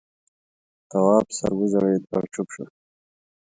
تواب سر وځړېد او چوپ شو.